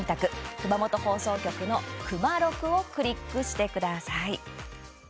熊本放送局の「クマロク！」をクリックしてください。